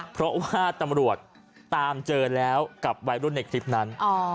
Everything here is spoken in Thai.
เพราะว่าตำรวจตามเจอแล้วกับวัยรุ่นในคลิปนั้น